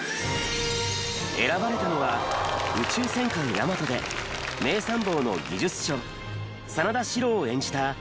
選ばれたのは『宇宙戦艦ヤマト』で名参謀の技術長真田志郎を演じた青野武。